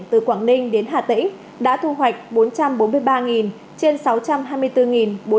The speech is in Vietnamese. từ quảng ninh đến hà tĩnh đã thu hoạch bốn trăm bốn mươi ba trên sáu trăm hai mươi bốn bốn trăm hai mươi hai